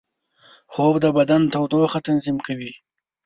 خوب د بدن تودوخې تنظیم کوي